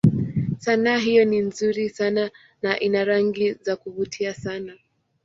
Sanaa hiyo ni nzuri sana na ina rangi za kuvutia sana.